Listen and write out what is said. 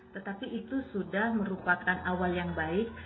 tetapi itu sudah merupakan awal yang baik